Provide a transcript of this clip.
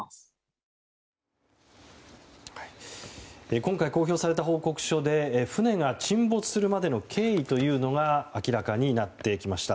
今回公表された報告書で船が沈没するまでの経緯というのが明らかになってきました。